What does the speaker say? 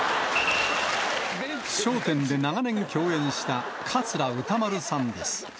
笑点で長年共演した桂歌丸さんです。